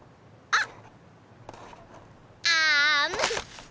あっ！